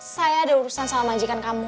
saya ada urusan sama majikan kamu